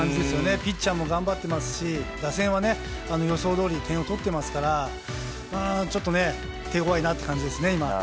ピッチャーも頑張ってますし打線は予想どおりに点を取っていますからちょっと手ごわいなという感じですね。